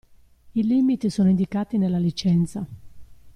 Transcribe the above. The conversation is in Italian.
I limiti sono indicati nella licenza.